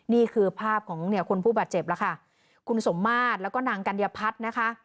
นี่คือภาพของเนี่ยคนผู้บาดเจ็บแล้วค่ะคุณสมมาตรแล้วก็นางกัญญพัฒน์นะคะ